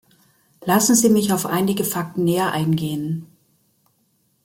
Lassen Sie mich auf einige Fakten näher eingehen.